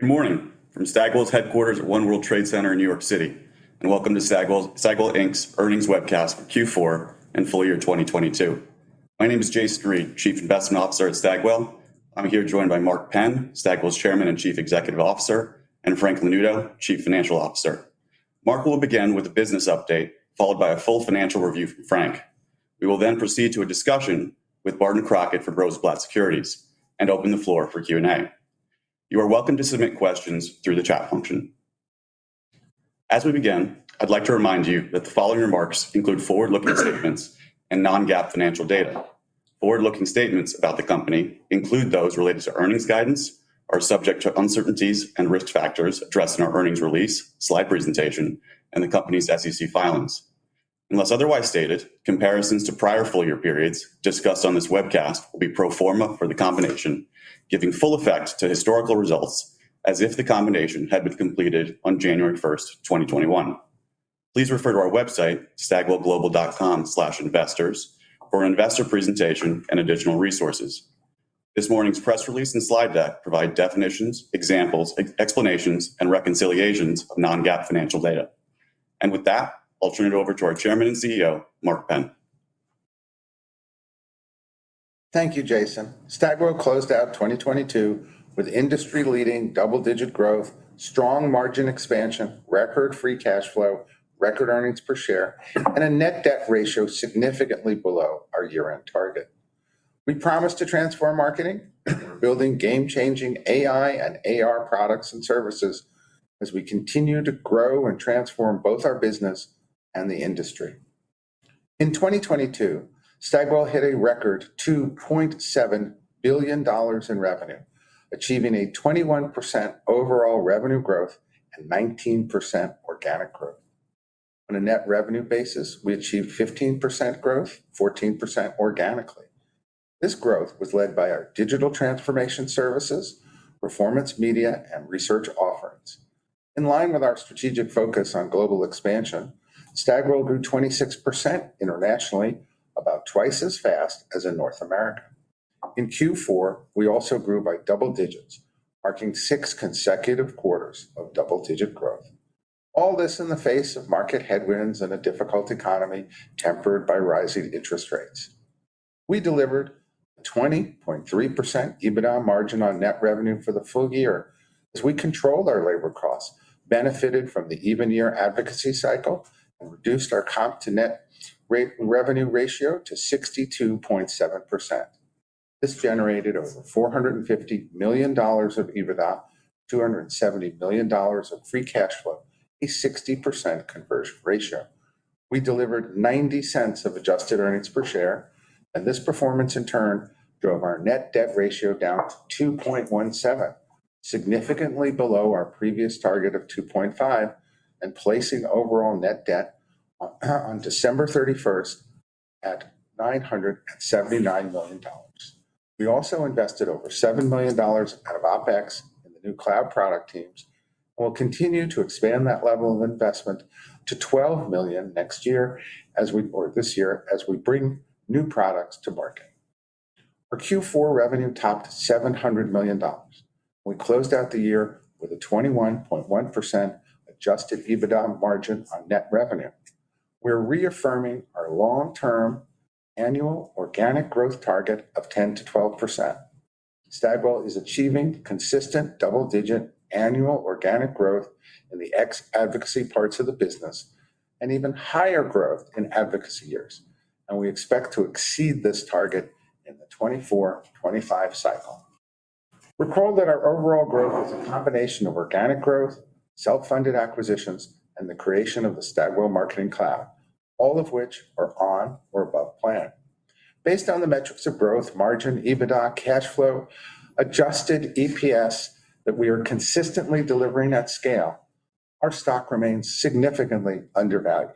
Good morning from Stagwell's Headquarters at One World Trade Center in New York City. Welcome to Stagwell Inc's Earnings Webcast for Q4 and Full Year 2022. My name is Jason Reid, Chief Investment Officer at Stagwell. I'm here joined by Mark Penn, Stagwell's Chairman and Chief Executive Officer, and Frank Lanuto, Chief Financial Officer. Mark will begin with a business update, followed by a full financial review from Frank. We will proceed to a discussion with Barton Crockett from Rosenblatt Securities and open the floor for Q&A. You are welcome to submit questions through the chat function. As we begin, I'd like to remind you that the following remarks include forward-looking statements and non-GAAP financial data. Forward-looking statements about the company include those related to earnings guidance, are subject to uncertainties and risk factors addressed in our earnings release, slide presentation, and the company's SEC filings. Unless otherwise stated, comparisons to prior full-year periods discussed on this webcast will be pro forma for the combination, giving full effect to historical results as if the combination had been completed on January 1, 2021. Please refer to our website, stagwellglobal.com/investors, for investor presentation and additional resources. This morning's press release and slide deck provide definitions, examples, explanations, and reconciliations of non-GAAP financial data. With that, I'll turn it over to our Chairman and CEO, Mark Penn. Thank you, Jason. Stagwell closed out 2022 with industry-leading double-digit growth, strong margin expansion, record free cash flow, record earnings per share, and a net debt ratio significantly below our year-end target. We promised to transform marketing, building game-changing AI and AR products and services as we continue to grow and transform both our business and the industry. In 2022, Stagwell hit a record $2.7 billion in revenue, achieving a 21% overall revenue growth and 19% organic growth. On a net revenue basis, we achieved 15% growth, 14% organically. This growth was led by our digital transformation services, performance media, and research offerings. In line with our strategic focus on global expansion, Stagwell grew 26% internationally about twice as fast as in North America. In Q4, we also grew by double digits, marking six consecutive quarters of double-digit growth. All this in the face of market headwinds and a difficult economy tempered by rising interest rates. We delivered a 20.3% EBITDA margin on net revenue for the full year as we controlled our labor costs, benefited from the even year advocacy cycle, and reduced our comp to net revenue ratio to 62.7%. This generated over $450 million of EBITDA, $270 million of free cash flow, a 60% conversion ratio. We delivered $0.90 of adjusted earnings per share, and this performance in turn drove our net debt ratio down to 2.17, significantly below our previous target of 2.5, and placing overall net debt on December 31st at $979 million. We also invested over $7 million out of OpEx in the new cloud product teams and will continue to expand that level of investment to $12 million this year as we bring new products to market. Our Q4 revenue topped $700 million. We closed out the year with a 21.1% adjusted EBITDA margin on net revenue. We're reaffirming our long-term annual organic growth target of 10%-12%. Stagwell is achieving consistent double-digit annual organic growth in the ex-advocacy parts of the business and even higher growth in advocacy years, and we expect to exceed this target in the 2024/2025 cycle. Recall that our overall growth is a combination of organic growth, self-funded acquisitions, and the creation of the Stagwell Marketing Cloud, all of which are on or above plan. Based on the metrics of growth, margin, EBITDA, cash flow, adjusted EPS that we are consistently delivering at scale, our stock remains significantly undervalued.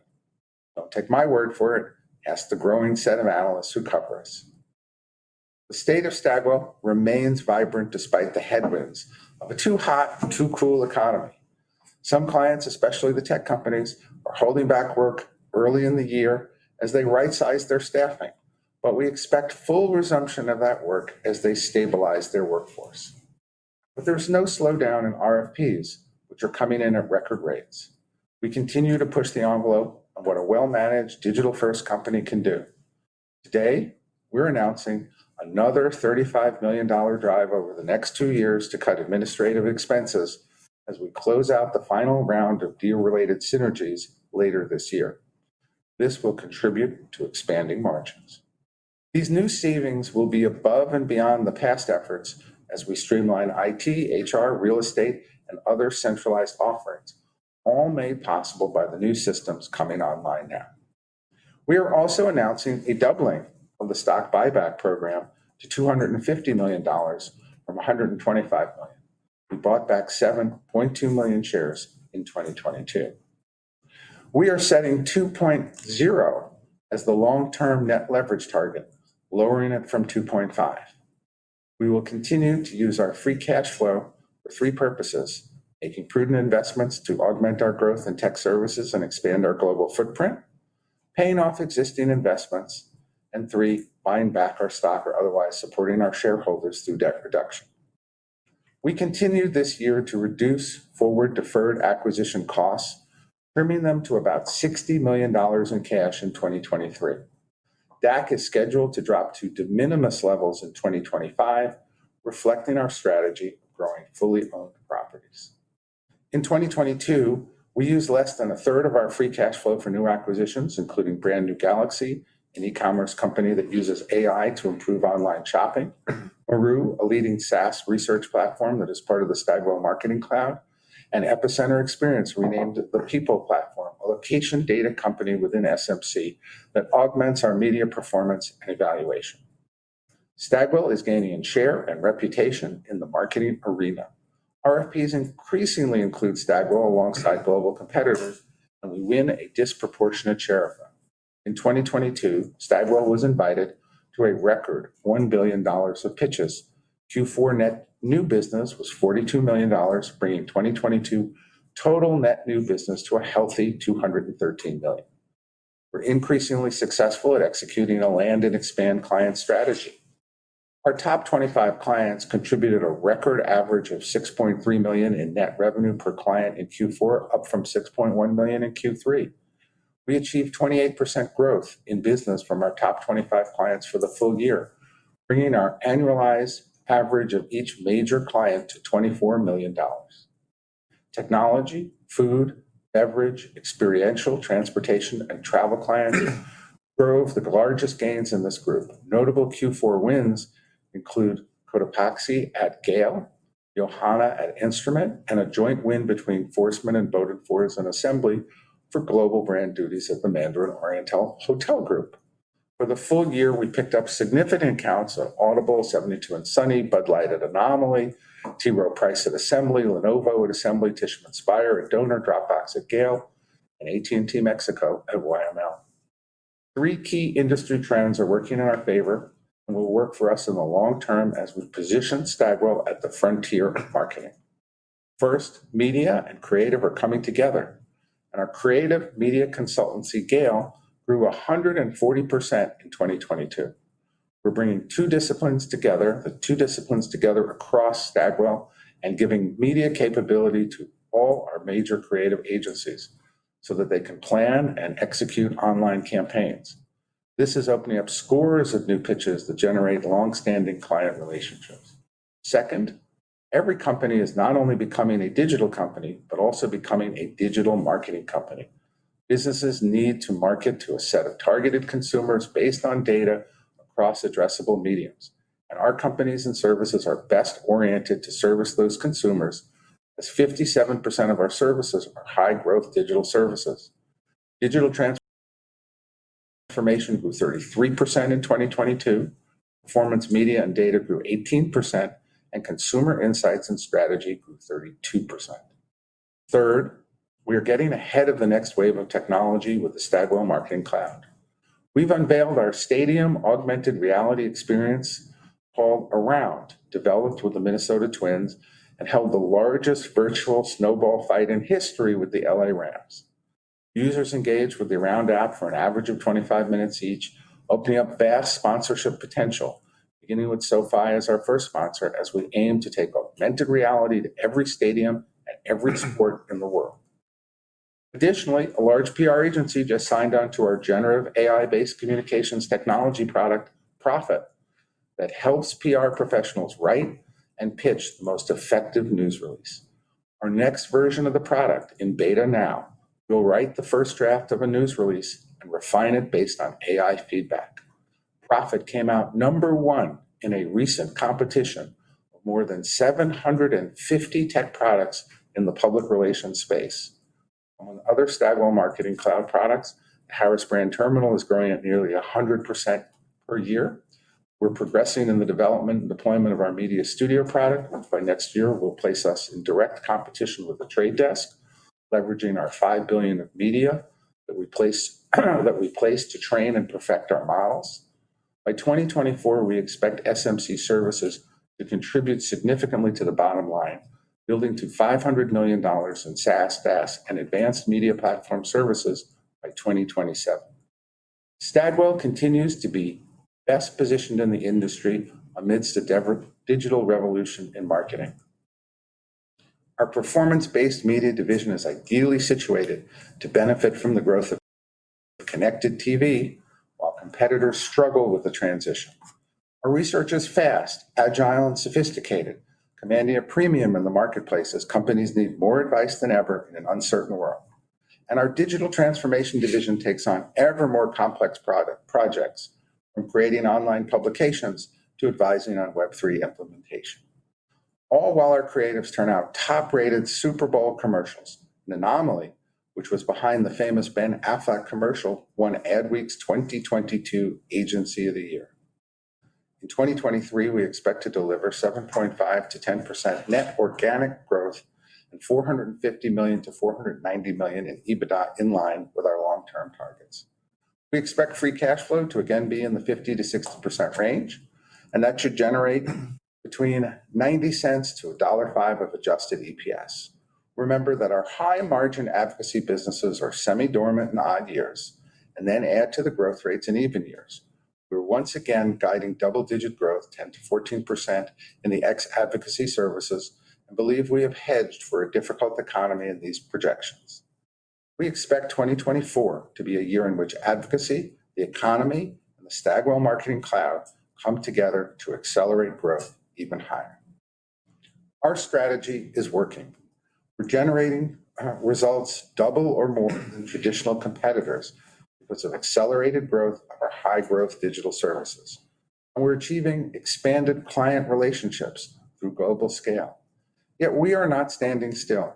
Don't take my word for it. Ask the growing set of analysts who cover us. The state of Stagwell remains vibrant despite the headwinds of a too hot and too cool economy. Some clients, especially the tech companies, are holding back work early in the year as they right-size their staffing. We expect full resumption of that work as they stabilize their workforce. There's no slowdown in RFPs, which are coming in at record rates. We continue to push the envelope of what a well-managed digital-first company can do. Today, we're announcing another $35 million drive over the next two years to cut administrative expenses as we close out the final round of deal-related synergies later this year. This will contribute to expanding margins. These new savings will be above and beyond the past efforts as we streamline IT, HR, real estate, and other centralized offerings, all made possible by the new systems coming online now. We are also announcing a doubling of the stock buyback program to $250 million from $125 million. We bought back 7.2 million shares in 2022. We are setting 2.0 as the long-term net leverage target, lowering it from 2.5. We will continue to use our free cash flow for three purposes, making prudent investments to augment our growth in tech services and expand our global footprint. Paying off existing investments. Three, buying back our stock or otherwise supporting our shareholders through debt reduction. We continued this year to reduce forward deferred acquisition costs, trimming them to about $60 million in cash in 2023. DAC is scheduled to drop to de minimis levels in 2025, reflecting our strategy of growing fully owned properties. In 2022, we used less than a third of our free cash flow for new acquisitions, including Brand New Galaxy, an e-commerce company that uses AI to improve online shopping, Arloo, a leading SaaS research platform that is part of the Stagwell Marketing Cloud, and Epicenter Experience, renamed The People Platform, a location data company within SMC that augments our media performance and evaluation. Stagwell is gaining in share and reputation in the marketing arena. RFPs increasingly include Stagwell alongside global competitors, and we win a disproportionate share of them. In 2022, Stagwell was invited to a record $1 billion of pitches. Q4 net new business was $42 million, bringing 2022 total net new business to a healthy $213 million. We're increasingly successful at executing a land and expand client strategy. Our top 25 clients contributed a record average of $6.3 million in net revenue per client in Q4, up from $6.1 million in Q3. We achieved 28% growth in business from our top 25 clients for the full year, bringing our annualized average of each major client to $24 million. Technology, food, beverage, experiential, transportation, and travel clients drove the largest gains in this group. Notable Q4 wins include Cotopaxi at GALE, Yohana at Instrument, and a joint win between Forsman & Bodenfors and Assembly for global brand duties at the Mandarin Oriental Hotel Group. For the full year, we picked up significant accounts of Audible, 72andSunny, Bud Light at Anomaly, T. Rowe Price at Assembly, Lenovo at Assembly, Tishman Speyer at Doner, Dropbox at GALE, and AT&T Mexico at YML. Three key industry trends are working in our favor and will work for us in the long term as we position Stagwell at the frontier of marketing. First, media and creative are coming together, and our creative media consultancy, GALE, grew 140% in 2022. We're bringing two disciplines together across Stagwell and giving media capability to all our major creative agencies so that they can plan and execute online campaigns. This is opening up scores of new pitches that generate long-standing client relationships. Second, every company is not only becoming a digital company, but also becoming a digital marketing company. Businesses need to market to a set of targeted consumers based on data across addressable mediums, and our companies and services are best oriented to service those consumers as 57% of our services are high-growth digital services. Digital transformation grew 33% in 2022, performance media and data grew 18%, and consumer insights and strategy grew 32%. Third, we are getting ahead of the next wave of technology with the Stagwell Marketing Cloud. We've unveiled our stadium augmented reality experience called ARound, developed with the Minnesota Twins, and held the largest virtual snowball fight in history with the LA Rams. Users engage with the ARound app for an average of 25 minutes each, opening up vast sponsorship potential, beginning with SoFi as our first sponsor as we aim to take augmented reality to every stadium and every sport in the world. Additionally, a large PR agency just signed on to our generative AI-based communications technology product, PRophet, that helps PR professionals write and pitch the most effective news release. Our next version of the product in beta now will write the first draft of a news release and refine it based on AI feedback. PRophet came out number one in a recent competition of more than 750 tech products in the public relations space. Among other Stagwell Marketing Cloud products, the Harris Brand Terminal is growing at nearly 100% per year. We're progressing in the development and deployment of our Media Studio product, which by next year will place us in direct competition with The Trade Desk, leveraging our $5 billion of media that we place to train and perfect our models. By 2024, we expect SMC services to contribute significantly to the bottom line, building to $500 million in SaaS, PaaS, and advanced media platform services by 2027. Stagwell continues to be best positioned in the industry amidst a digital revolution in marketing. Our performance-based media division is ideally situated to benefit from the growth of connected TV while competitors struggle with the transition. Our research is fast, agile, and sophisticated, commanding a premium in the marketplace as companies need more advice than ever in an uncertain world. Our digital transformation division takes on ever more complex projects from creating online publications to advising on Web3 implementation. All while our creatives turn out top-rated Super Bowl commercials. Anomaly, which was behind the famous Ben Affleck commercial, won Adweek's 2022 Agency of the Year. In 2023, we expect to deliver 7.5%-10% net organic growth and $450 million to $490 million in EBITDA in line with our long-term targets. We expect free cash flow to again be in the 50%-60% range, and that should generate between $0.90-$1.05 of adjusted EPS. Remember that our high-margin advocacy businesses are semi-dormant in odd years and then add to the growth rates in even years. We're once again guiding double-digit growth, 10%-14% in the ex advocacy services and believe we have hedged for a difficult economy in these projections. We expect 2024 to be a year in which advocacy, the economy, and the Stagwell Marketing Cloud come together to accelerate growth even higher. Our strategy is working. We're generating results double or more than traditional competitors because of accelerated growth of our high-growth digital services, and we're achieving expanded client relationships through global scale. We are not standing still.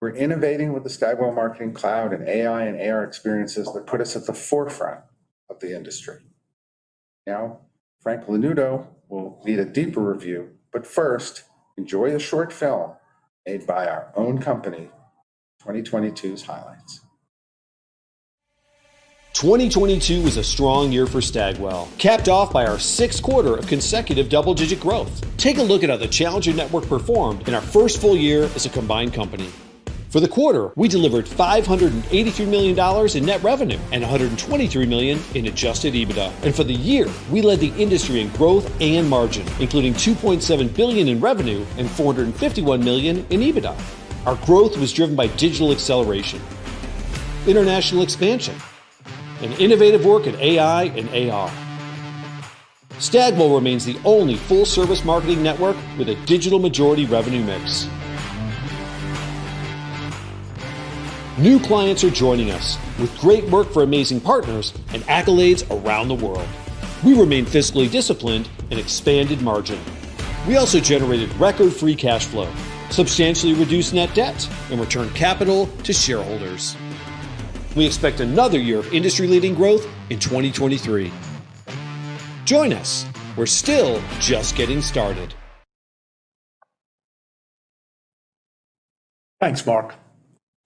We're innovating with the Stagwell Marketing Cloud and AI and AR experiences that put us at the forefront of the industry. Now, Frank Lanuto will lead a deeper review, but first, enjoy a short film made by our own company of 2022's highlights. 2022 was a strong year for Stagwell, capped off by our sixth quarter of consecutive double-digit growth. Take a look at how the challenging network performed in our first full year as a combined company. For the quarter, we delivered $583 million in net revenue and $123 million in adjusted EBITDA. For the year, we led the industry in growth and margin, including $2.7 billion in revenue and $451 million in EBITDA. Our growth was driven by digital acceleration, international expansion, and innovative work in AI and AR. Stagwell remains the only full-service marketing network with a digital majority revenue mix. New clients are joining us with great work for amazing partners and accolades around the world. We remain fiscally disciplined and expanded margin. We also generated record free cash flow, substantially reduced net debt, and returned capital to shareholders. We expect another year of industry-leading growth in 2023. Join us. We're still just getting started. Thanks, Mark.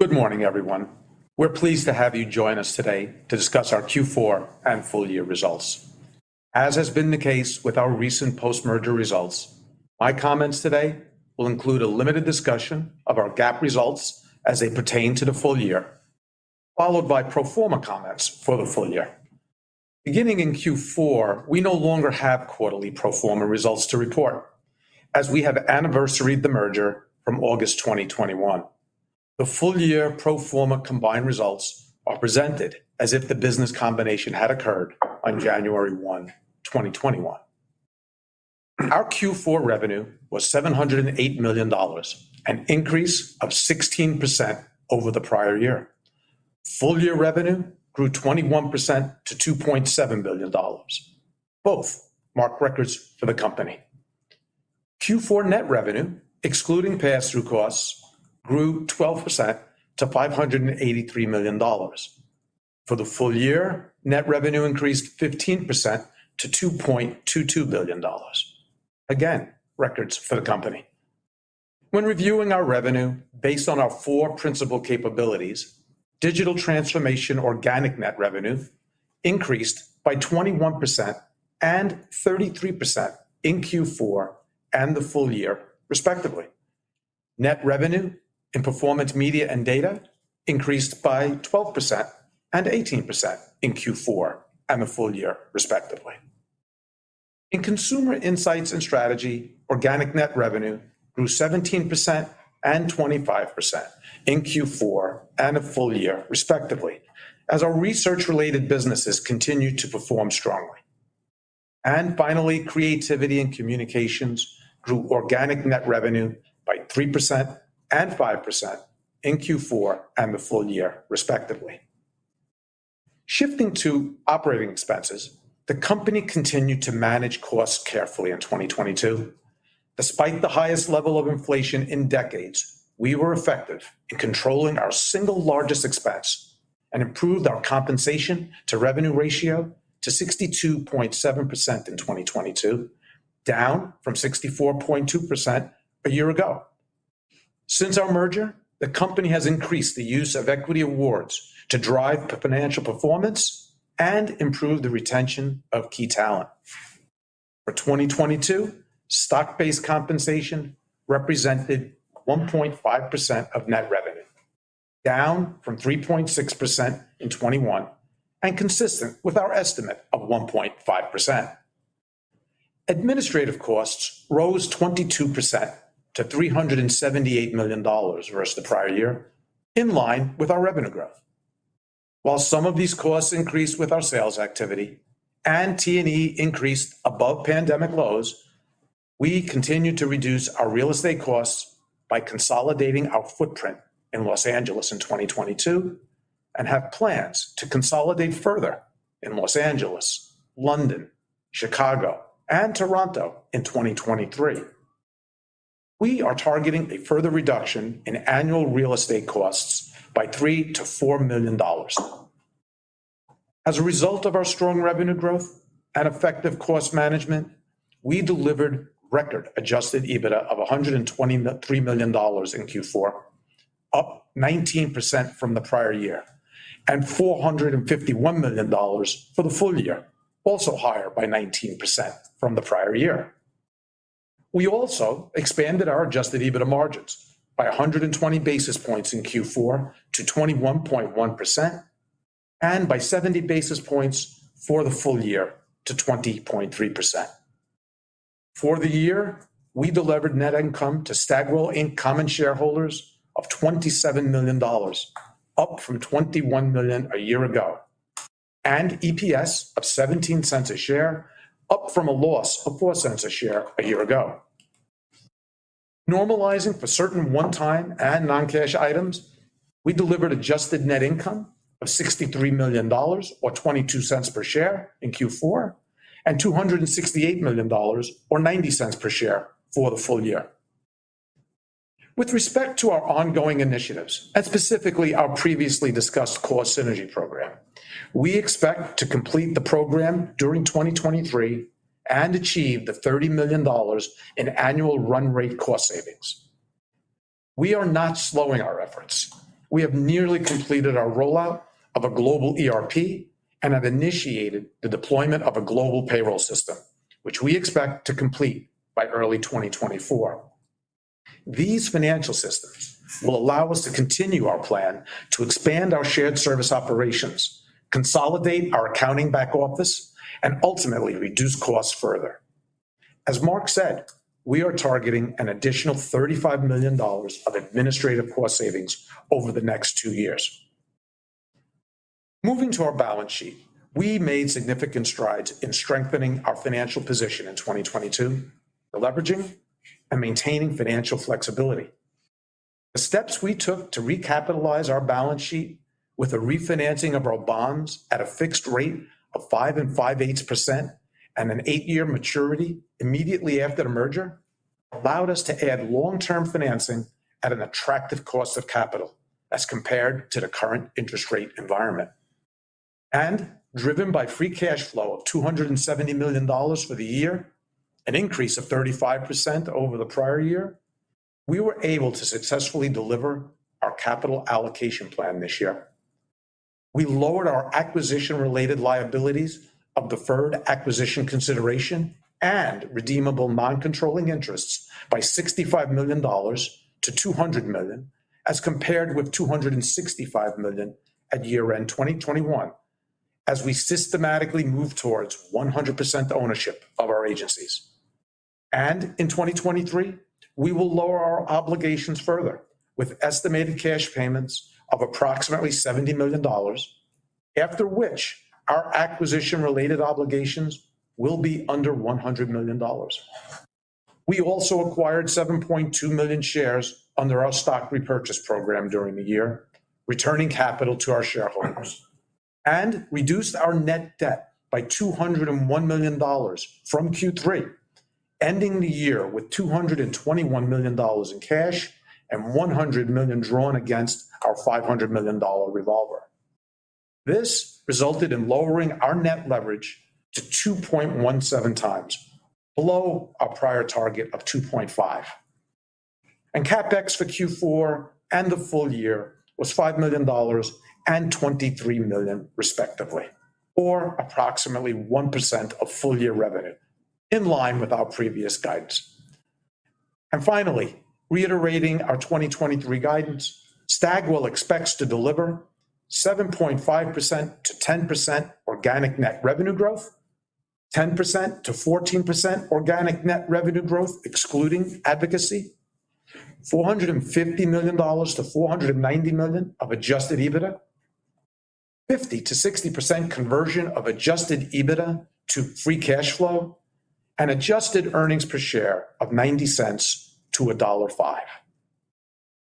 Good morning, everyone. We're pleased to have you join us today to discuss our Q4 and full-year results. As has been the case with our recent post-merger results, my comments today will include a limited discussion of our GAAP results as they pertain to the full year, followed by pro forma comments for the full year. Beginning in Q4, we no longer have quarterly pro forma results to report, as we have anniversaried the merger from August 2021. The full-year pro forma combined results are presented as if the business combination had occurred on January 1, 2021. Our Q4 revenue was $708 million, an increase of 16% over the prior year. Full-year revenue grew 21% to $2.7 billion. Both mark records for the company. Q4 net revenue, excluding pass-through costs, grew 12% to $583 million. For the full year, net revenue increased 15% to $2.22 billion. Again, records for the company. When reviewing our revenue based on our four principal capabilities, digital transformation organic net revenue increased by 21% and 33% in Q4 and the full year, respectively. Net revenue in performance media and data increased by 12% and 18% in Q4 and the full year, respectively. In consumer insights and strategy, organic net revenue grew 17% and 25% in Q4 and the full year, respectively, as our research-related businesses continued to perform strongly. Finally, creativity and communications grew organic net revenue by 3% and 5% in Q4 and the full year, respectively. Shifting to operating expenses, the company continued to manage costs carefully in 2022. Despite the highest level of inflation in decades, we were effective in controlling our single largest expense and improved our compensation-to-revenue ratio to 62.7% in 2022, down from 64.2% a year ago. Since our merger, the company has increased the use of equity awards to drive the financial performance and improve the retention of key talent. For 2022, stock-based compensation represented 1.5% of net revenue, down from 3.6% in 2021 and consistent with our estimate of 1.5%. Administrative costs rose 22% to $378 million versus the prior year, in line with our revenue growth. While some of these costs increased with our sales activity and T&E increased above pandemic lows, we continued to reduce our real estate costs by consolidating our footprint in Los Angeles in 2022 and have plans to consolidate further in Los Angeles, London, Chicago, and Toronto in 2023. We are targeting a further reduction in annual real estate costs by $3 million to $4 million. As a result of our strong revenue growth and effective cost management, we delivered record adjusted EBITDA of $123 million in Q4, up 19% from the prior year, and $451 million for the full year, also higher by 19% from the prior year. We also expanded our adjusted EBITDA margins by 120 basis points in Q4 to 21.1% and by 70 basis points for the full year to 20.3%. For the year, we delivered net income to Stagwell Inc common shareholders of $27 million, up from $21 million a year ago, and EPS of $0.17 a share, up from a loss of $0.04 a share a year ago. Normalizing for certain one-time and non-cash items, we delivered adjusted net income of $63 million or $0.22 per share in Q4, and $268 million or $0.90 per share for the full year. With respect to our ongoing initiatives, and specifically our previously discussed core synergy program, we expect to complete the program during 2023 and achieve the $30 million in annual run-rate cost savings. We are not slowing our efforts. We have nearly completed our rollout of a global ERP and have initiated the deployment of a global payroll system, which we expect to complete by early 2024. These financial systems will allow us to continue our plan to expand our shared service operations, consolidate our accounting back office, and ultimately reduce costs further. As Mark said, we are targeting an additional $35 million of administrative cost savings over the next two years. Moving to our balance sheet, we made significant strides in strengthening our financial position in 2022, leveraging and maintaining financial flexibility. The steps we took to recapitalize our balance sheet with a refinancing of our bonds at a fixed rate of 5.625% and an 8-year maturity immediately after the merger, allowed us to add long-term financing at an attractive cost of capital as compared to the current interest rate environment. Driven by free cash flow of $270 million for the year, an increase of 35% over the prior year, we were able to successfully deliver our capital allocation plan this year. We lowered our acquisition-related liabilities of deferred acquisition consideration and redeemable non-controlling interests by $65 million to $200 million, as compared with $265 million at year-end 2021, as we systematically move towards 100% ownership of our agencies. In 2023, we will lower our obligations further with estimated cash payments of approximately $70 million, after which our acquisition-related obligations will be under $100 million. We also acquired $7.2 million shares under our stock repurchase program during the year, returning capital to our shareholders. Reduced our net debt by $201 million from Q3, ending the year with $221 million in cash and $100 million drawn against our $500 million revolver. This resulted in lowering our net leverage to 2.17x below our prior target of 2.5x. CapEx for Q4 and the full year was $5 million and $23 million, respectively, or approximately 1% of full-year revenue in line with our previous guidance. Finally, reiterating our 2023 guidance, Stagwell expects to deliver 7.5%-10% organic net revenue growth, 10%-14% organic net revenue growth excluding advocacy, $450 million to $490 million of adjusted EBITDA, 50%-60% conversion of adjusted EBITDA to free cash flow, and adjusted earnings per share of $0.90-$1.05.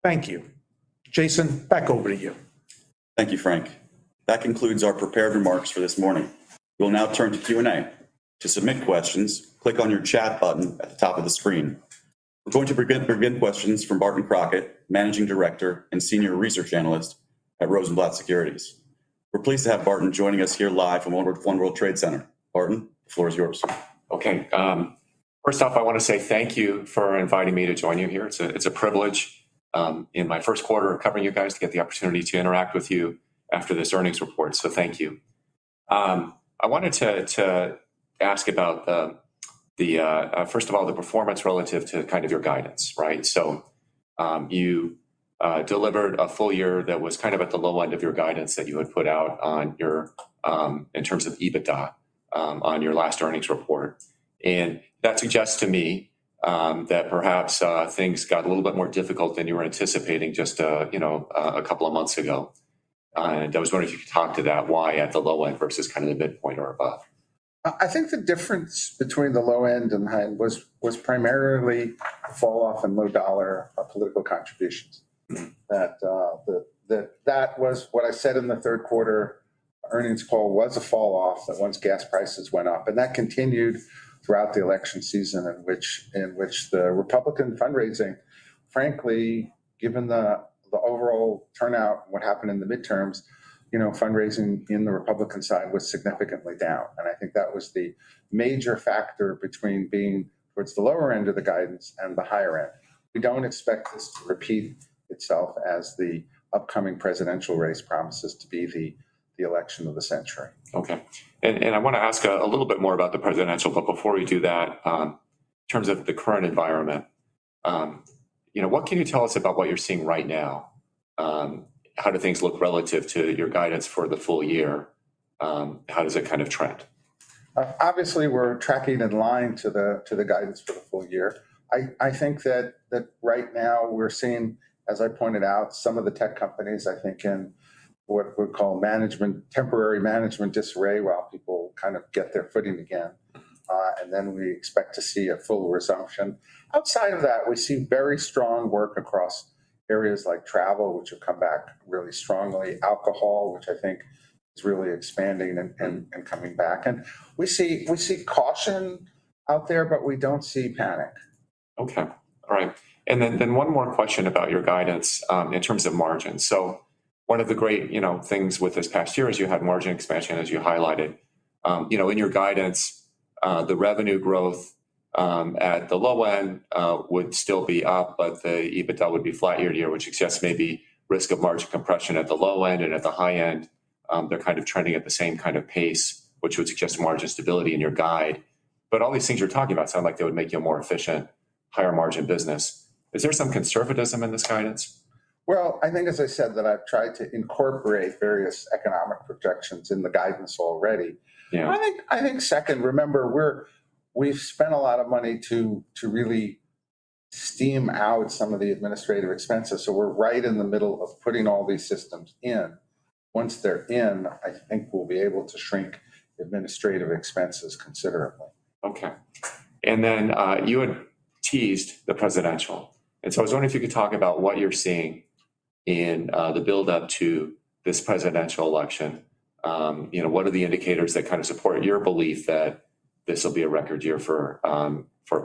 Thank you. Jason, back over to you. Thank you, Frank. That concludes our prepared remarks for this morning. We'll now turn to Q&A. To submit questions, click on your chat button at the top of the screen. We're going to begin questions from Barton Crockett, Managing Director and Senior Research Analyst at Rosenblatt Securities. We're pleased to have Barton joining us here live from One World Trade Center. Barton, the floor is yours. Okay. First off, I wanna say thank you for inviting me to join you here. It's a, it's a privilege in my first quarter of covering you guys to get the opportunity to interact with you after this earnings report. Thank you. I wanted to ask about the first of all, the performance relative to kind of your guidance, right? You delivered a full year that was kind of at the low end of your guidance that you had put out on your in terms of EBITDA on your last earnings report. That suggests to me that perhaps things got a little bit more difficult than you were anticipating just, you know, a couple of months ago. I was wondering if you could talk to that, why at the low end versus kind of the midpoint or above? I think the difference between the low end and the high was primarily falloff in low dollar political contributions. That was what I said in the third quarter earnings call was a falloff that once gas prices went up. That continued throughout the election season in which the Republican fundraising, frankly, given the overall turnout, what happened in the midterms, you know, fundraising in the Republican side was significantly down. I think that was the major factor between being towards the lower end of the guidance and the higher end. We don't expect this to repeat itself as the upcoming presidential race promises to be the election of the century. Okay. I wanna ask a little bit more about the presidential, but before we do that, in terms of the current environment, you know, what can you tell us about what you're seeing right now? How do things look relative to your guidance for the full year? How does it kind of trend? Obviously, we're tracking in line with the guidance for the full year. I think that right now we're seeing, as I pointed out, some of the tech companies I think in what we'd call management, temporary management disarray while people kind of get their footing again. Then we expect to see a full resumption. Outside of that, we see very strong work across areas like travel, which have come back really strongly. Alcohol, which I think is really expanding and coming back. We see caution out there, but we don't see panic. Okay. All right. One more question about your guidance, in terms of margins. One of the great, you know, things with this past year is you had margin expansion as you highlighted. You know, in your guidance, the revenue growth, at the low end, would still be up, but the EBITDA would be flat year-over-year, which suggests maybe risk of margin compression at the low end. At the high end, they're kind of trending at the same kind of pace, which would suggest margin stability in your guide. All these things you're talking about sound like they would make you a more efficient, higher margin business. Is there some conservatism in this guidance? I think as I said that I've tried to incorporate various economic projections in the guidance already. I think second, remember we've spent a lot of money to really steam out some of the administrative expenses. We're right in the middle of putting all these systems in. Once they're in, I think we'll be able to shrink administrative expenses considerably. Okay. You had teased the presidential, and so I was wondering if you could talk about what you're seeing in the buildup to this presidential election. You know, what are the indicators that kind of support your belief that this'll be a record year for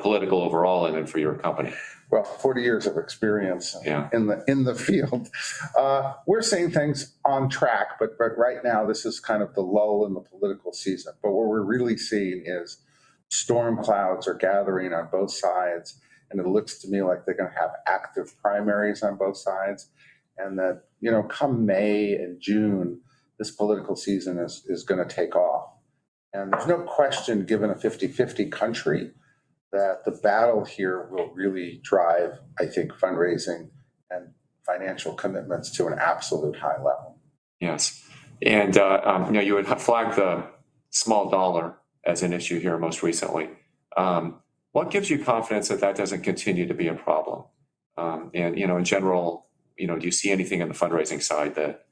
political overall and then for your company? Well, 40 years of experience in the field. We're seeing things on track, but right now this is kind of the lull in the political season. What we're really seeing is storm clouds are gathering on both sides, and it looks to me like they're gonna have active primaries on both sides, and that, you know, come May and June, this political season is gonna take off. There's no question, given a 50/50 country, that the battle here will really drive fundraising and financial commitments to an absolute high level. Yes. You know, you had flagged the small dollar as an issue here most recently. What gives you confidence that that doesn't continue to be a problem? In general, do you see anything in the fundraising side that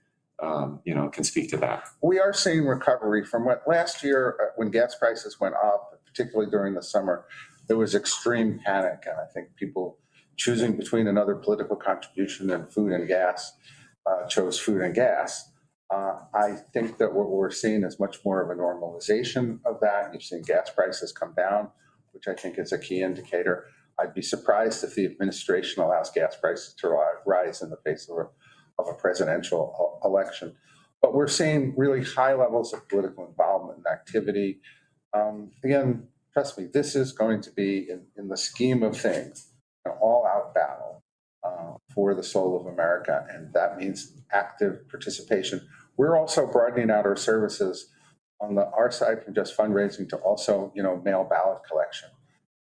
can speak to that? We are seeing recovery from what last year when gas prices went up, particularly during the summer, there was extreme panic. I think people choosing between another political contribution and food and gas chose food and gas. I think that what we're seeing is much more of a normalization of that. You've seen gas prices come down, which I think is a key indicator. I'd be surprised if the administration allows gas prices to rise in the face of a presidential election. We're seeing really high levels of political involvement and activity. Again, trust me, this is going to be in the scheme of things, an all-out battle for the soul of America, and that means active participation. We're also broadening out our services on the R side from just fundraising to also mail ballot collection.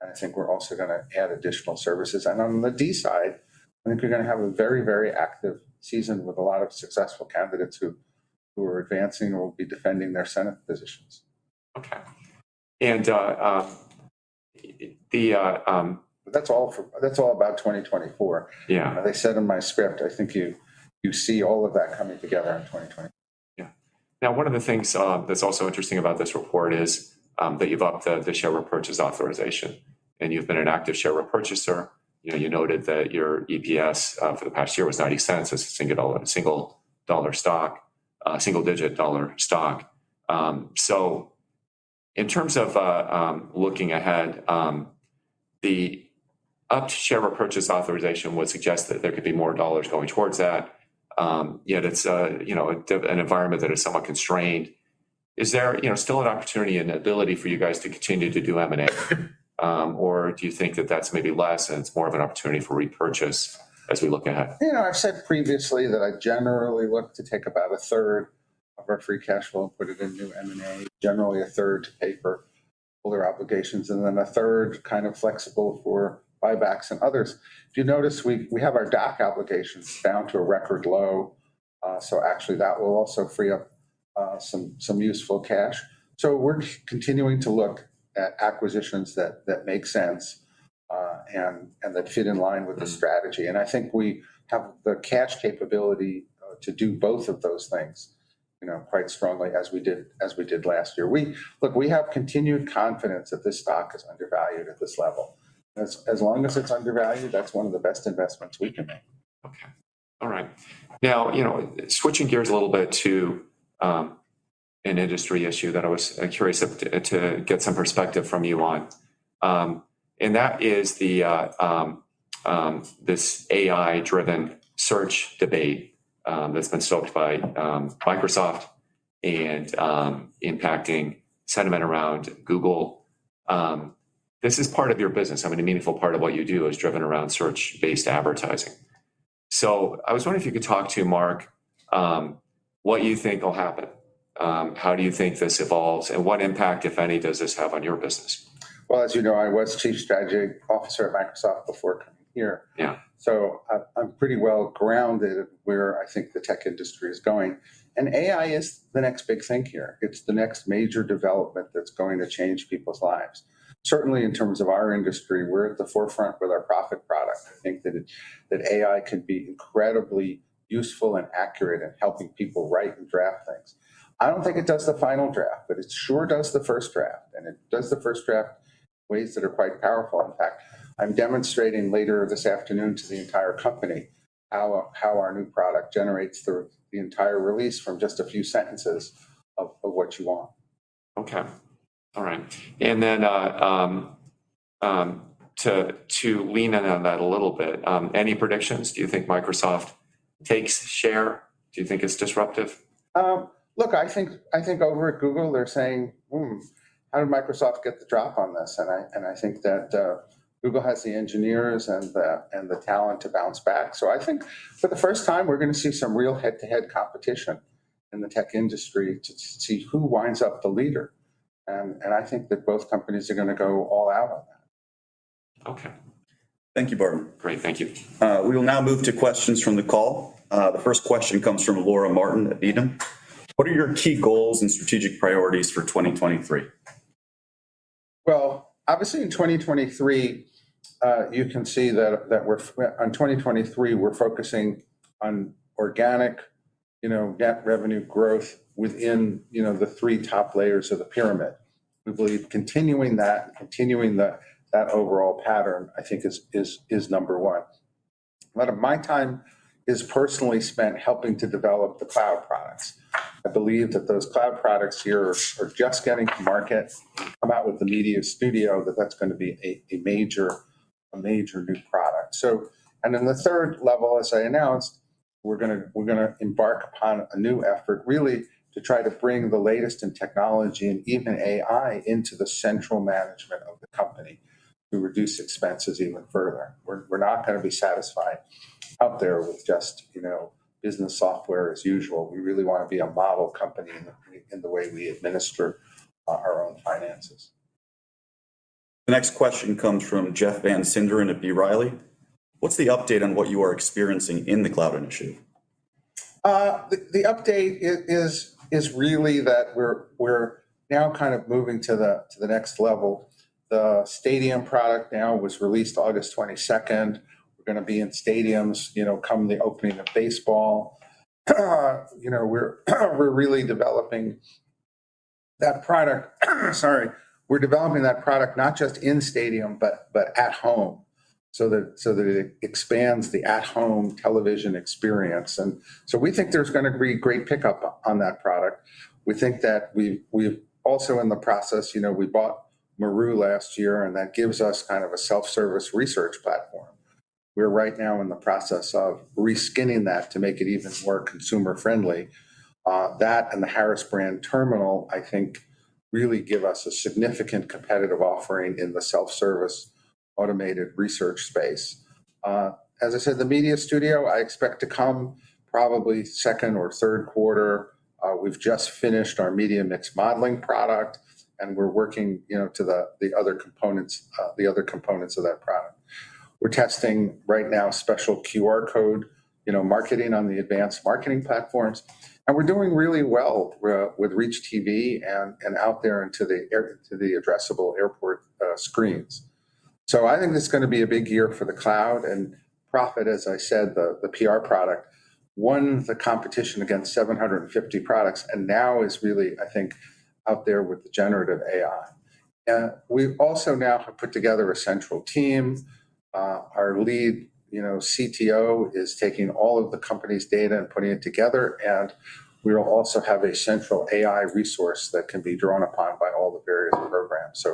I think we're also gonna add additional services. On the D side, I think you're gonna have a very, very active season with a lot of successful candidates who are advancing or will be defending their Senate positions. That's all about 2024. They said in my script, I think you see all of that coming together in 2020. Now one of the things that's also interesting about this report is that you've upped the share repurchase authorization, and you've been an active share repurchaser. You know, you noted that your EPS for the past year was $0.90. It's a single-digit dollar stock. In terms of looking ahead, the upped share repurchase authorization would suggest that there could be more dollars going towards that, yet it's a, you know, an environment that is somewhat constrained. Is there, you know, still an opportunity and ability for you guys to continue to do M&A? Do you think that that's maybe less and it's more of an opportunity for repurchase as we look ahead? You know, I've said previously that I generally look to take about a third of our free cash flow and put it into M&A, generally a third to pay for older obligations, and then a third kind of flexible for buybacks and others. If you notice, we have our DAC applications down to a record low, so actually that will also free up some useful cash. We're continuing to look at acquisitions that make sense and that fit in line with the strategy. I think we have the cash capability to do both of those things, you know, quite strongly as we did last year. Look, we have continued confidence that this stock is undervalued at this level. As long as it's undervalued, that's one of the best investments we can make. Okay. All right. Switching gears a little bit to an industry issue that I was curious of to get some perspective from you on, that is this AI-driven search debate that's been stoked by Microsoft. Impacting sentiment around Google. This is part of your business. I mean, a meaningful part of what you do is driven around search-based advertising. I was wondering if you could talk to Mark, what you think will happen. How do you think this evolves, and what impact, if any, does this have on your business? Well, as you know, I was Chief Strategy Officer at Microsoft before coming here. I'm pretty well grounded where I think the tech industry is going, and AI is the next big thing here. It's the next major development that's going to change people's lives. Certainly, in terms of our industry, we're at the forefront with our PRophet product. I think that AI can be incredibly useful and accurate at helping people write and draft things. I don't think it does the final draft, but it sure does the first draft, and it does the first draft in ways that are quite powerful. In fact, I'm demonstrating later this afternoon to the entire company how our new product generates the entire release from just a few sentences of what you want. Okay. All right. To lean in on that a little bit, any predictions? Do you think Microsoft takes share? Do you think it's disruptive? Look, I think over at Google they're saying, "Hmm, how did Microsoft get the drop on this?" I think that Google has the engineers and the talent to bounce back. I think for the first time we're gonna see some real head-to-head competition in the tech industry to see who winds up the leader, I think that both companies are gonna go all out on that. Thank you, Barton. Great. Thank you. We will now move to questions from the call. The first question comes from Laura Martin at Needham & Company. What are your key goals and strategic priorities for 2023? Well, obviously in 2023, you can see that 2023 we're focusing on organic, you know, GAAP revenue growth within, you know, the three top layers of the pyramid. We believe continuing that, continuing that overall pattern, I think is number one. A lot of my time is personally spent helping to develop the cloud products. I believe that those cloud products here are just getting to market. We come out with the Media Studio, that's gonna be a major new product. And then the third level, as I announced, we're gonna embark upon a new effort really to try to bring the latest in technology and even AI into the central management of the company to reduce expenses even further. We're not gonna be satisfied up there with just, you know, business software as usual. We really wanna be a model company in the way we administer our own finances. The next question comes from Jeff Van Sinderen at B. Riley. What's the update on what you are experiencing in the cloud industry? The update is really that we're now moving to the next level. The stadium product now was released August 22nd. We're gonna be in stadiums, you know, come the opening of baseball. You know, we're really developing that product. We're developing that product not just in stadium but at home so that it expands the at-home television experience. We think there's gonna be great pickup on that product. We think that we've also in the process, you know, we bought Maru last year and that gives us kind of a self-service research platform. We're right now in the process of re-skinning that to make it even more consumer-friendly. That and the Harris Brand Platform I think really give us a significant competitive offering in the self-service automated research space. As I said, the Media Studio I expect to come probably second or third quarter. We've just finished our media mix modeling product, and we're working to the other components of that product. We're testing right now special QR code marketing on the advanced marketing platforms, and we're doing really well with ReachTV and out there into the addressable airport screens. I think it's gonna be a big year for the cloud. PRophet, as I said, the PR product, won the competition against 750 products and now is really out there with the generative AI. We also now have put together a central team. Our lead CTO is taking all of the company's data and putting it together, and we also have a central AI resource that can be drawn upon by all the various programs.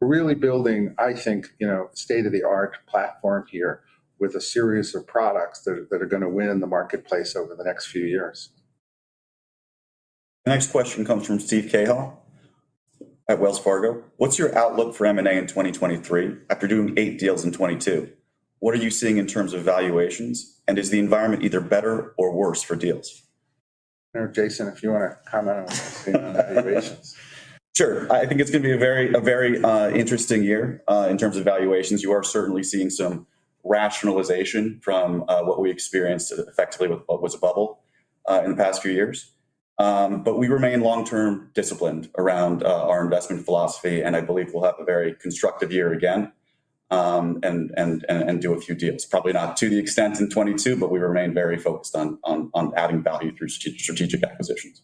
We're really building a state-of-the-art platform here with a series of products that are gonna win in the marketplace over the next few years. The next question comes from Steven Cahall at Wells Fargo. What's your outlook for M&A in 2023 after doing eight deals in 2022? What are you seeing in terms of valuations, and is the environment either better or worse for deals? I don't know, Jason, if you wanna comment on the valuations. Sure. I think it's gonna be a very interesting year, in terms of valuations. You are certainly seeing some rationalization from, what we experienced effectively with what was a bubble, in the past few years. We remain long-term disciplined around, our investment philosophy, and I believe we'll have a very constructive year again, and do a few deals. Probably not to the extent in '22, but we remain very focused on adding value through strategic acquisitions.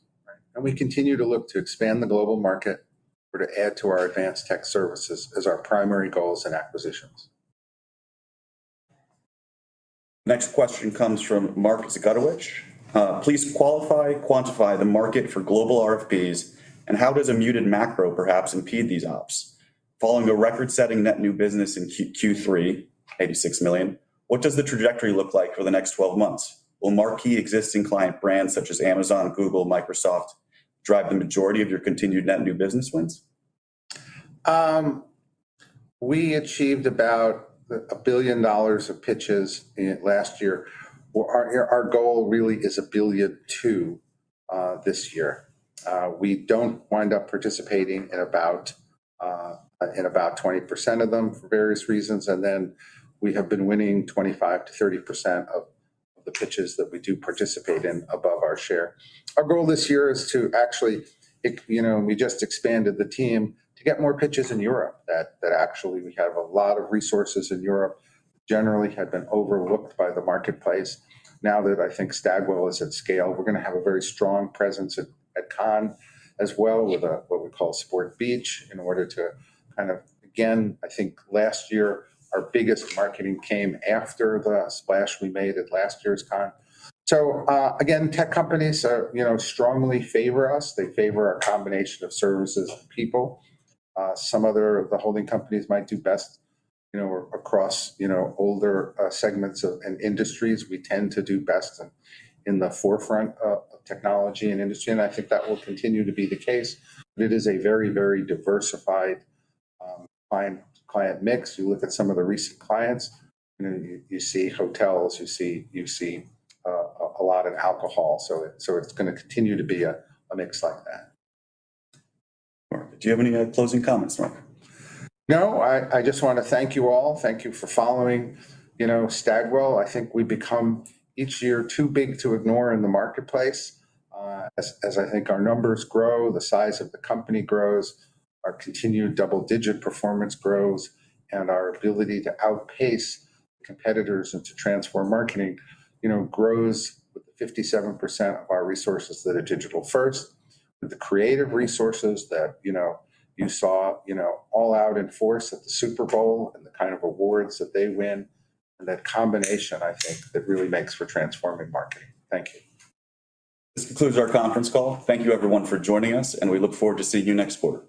Right. We continue to look to expand the global market or to add to our advanced tech services as our primary goals and acquisitions. Next question comes from Mark Zgutowicz. Please qualify, quantify the market for global RFPs. How does a muted macro perhaps impede these ops? Following a record-setting net new business in Q3, $86 million. What does the trajectory look like for the next 12 months? Will marquee existing client brands such as Amazon, Google, Microsoft drive the majority of your continued net new business wins? We achieved about $1 billion of pitches in last year. Our goal really is $1.2 billion this year. We don't wind up participating in about 20% of them for various reasons, and then we have been winning 25%-30% of the pitches that we do participate in above our share. Our goal this year is to actually, we just expanded the team to get more pitches in Europe that actually we have a lot of resources in Europe, generally have been overlooked by the marketplace. Now that I think Stagwell is at scale, we're gonna have a very strong presence at Cannes as well with a what we call Sport Beach in order to kind of, again, I think last year our biggest marketing came after the splash we made at last year's Cannes. Again, tech companies are, you know, strongly favor us. They favor our combination of services and people. Some other of the holding companies might do best, you know, across, you know, older segments of industries. We tend to do best in the forefront of technology and industry, and I think that will continue to be the case. It is a very, very diversified client mix. You look at some of the recent clients, you know, you see hotels, you see a lot of alcohol. It's gonna continue to be a mix like that. Do you have any closing comments, Mark? No. I just wanna thank you all. Thank you for following, you know, Stagwell. I think we become each year too big to ignore in the marketplace. As I think our numbers grow, the size of the company grows, our continued double-digit performance grows, and our ability to outpace competitors and to transform marketing, you know, grows with the 57% of our resources that are digital first. With the creative resources that you saw all out in force at the Super Bowl and the kind of awards that they win, that combination I think that really makes for transforming marketing. Thank you. This concludes our conference call. Thank you everyone for joining us, and we look forward to seeing you next quarter.